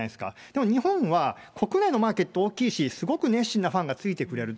でも、日本は国内のマーケット大きいし、すごく熱心なファンがついてくれる。